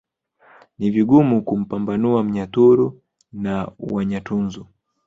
Ni vigumu kumpambanua Mnyaturu na Wanyatunzu